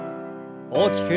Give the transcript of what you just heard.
大きく。